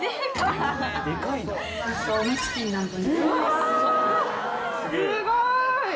すごい！